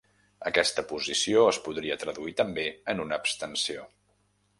Aquesta posició es podria traduir també en una abstenció.